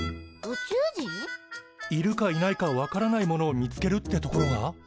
いるかいないか分からないものを見つけるってところが？